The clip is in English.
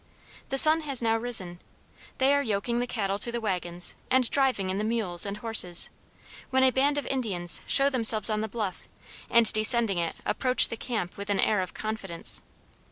The sun has now risen; they are yoking the cattle to the wagons and driving in the mules and horses, when a band of Indians show themselves on the bluff and descending it approach the camp with an air of confidence.